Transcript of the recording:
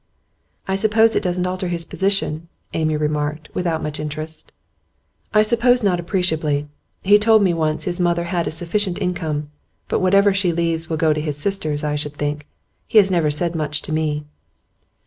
'I suppose it doesn't alter his position,' Amy remarked, without much interest. 'I suppose not appreciably. He told me once his mother had a sufficient income; but whatever she leaves will go to his sisters, I should think. He has never said much to me.